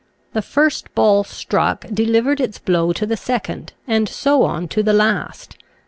The first ball struck deliv ered its blow to the second, and so on to the last.